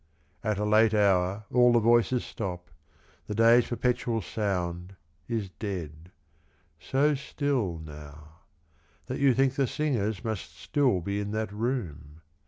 At a late hour all the voices stop, The day's perpetual sound is dead, So still now That you think the singers Must still be in that room.